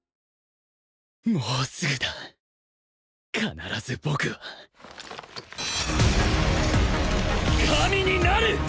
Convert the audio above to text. もうすぐだ必ず僕は神になる！